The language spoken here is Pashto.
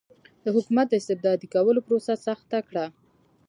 د حکومت د استبدادي کولو پروسه سخته کړه.